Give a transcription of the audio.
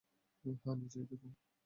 হ্যাঁ, নিজেই দেখো?